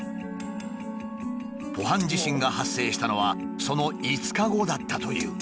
ポハン地震が発生したのはその５日後だったという。